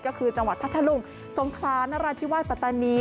ก็คือจังหวัดพัทธลุงสงครานราธิวาสปัตตานี